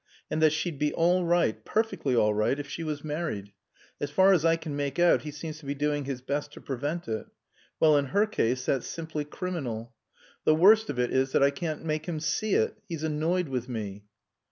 And that she'd be all right perfectly all right if she was married. As far as I can make out he seems to be doing his best to prevent it. Well in her case that's simply criminal. The worse of it is I can't make him see it. He's annoyed with me."